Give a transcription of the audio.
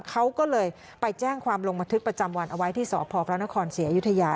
เขาก็เลยไปแจ้งความลงบันทึกประจำวันเอาไว้ที่สพพระนครศรีอยุธยา